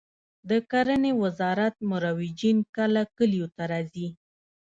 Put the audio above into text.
د کرنې وزارت مروجین کله کلیو ته راځي؟